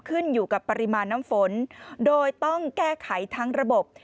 ขึ้นอยู่กับปริมาณน้ำฝนโดยต้องแก้ไขทั้งระบบ